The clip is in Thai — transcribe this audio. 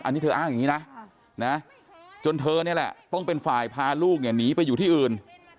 อันนี้เธออ้างอย่างนี้นะจนเธอนี่แหละต้องเป็นฝ่ายพาลูกเนี่ยหนีไปอยู่ที่อื่น